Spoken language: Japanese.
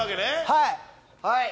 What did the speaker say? はい。